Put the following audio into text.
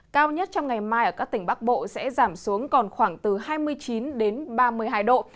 cao nhất trong ngày mai ở các tỉnh bắc bộ sẽ giảm xuống còn khoảng từ hai mươi chín đến ba mươi hai độ